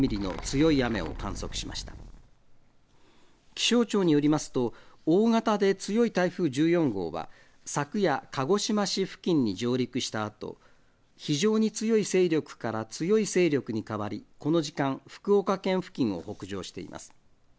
気象庁によりますと大型で強い台風１４号は昨夜、鹿児島市付近に上陸したあと、非常に強い勢力から強い勢力に変わり、この時間、福岡県付近を北上しています。